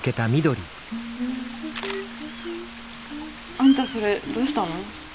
あんたそれどうしたの？